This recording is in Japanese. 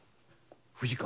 藤川